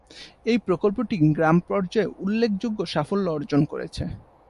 এই প্রকল্পটি গ্রাম পর্যায়ে উল্লেখযোগ্য সাফল্য অর্জন করেছে।